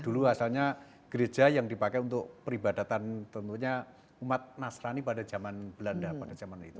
dulu asalnya gereja yang dipakai untuk peribadatan tentunya umat nasrani pada zaman belanda pada zaman itu